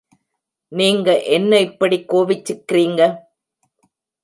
நீங்க என்ன இப்படிக் கோவிச்சிக்கிறீங்க?